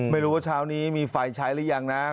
ไม่รู้ว่าเช้านี้มีไฟใช้หรือยังนะ